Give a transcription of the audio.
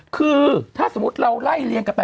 คือถ้าสมมุติเราไล่เลียงกันไป